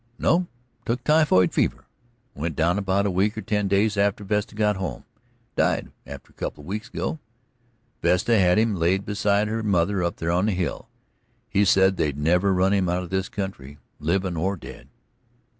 "No, he took typhoid fever. He took down about a week or ten days after Vesta got home. He died about a couple of week ago. Vesta had him laid beside her mother up there on the hill. He said they'd never run him out of this country, livin' or dead."